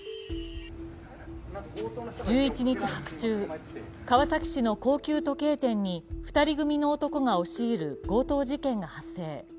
１１日白昼、川崎市の高級時計店に２人組の男が押し入る強盗事件が発生。